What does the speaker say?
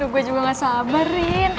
gue juga gak sabarin